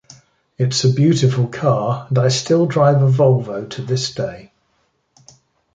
It's a beautiful car and I still drive a Volvo to this day.